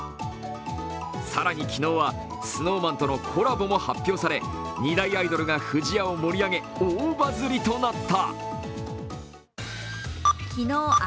更に昨日はＳｎｏｗＭａｎとのコラボも発表され、２大アイドルが不二家を盛り上げ大バズリとなった。